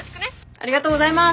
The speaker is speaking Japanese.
ありがとうございます。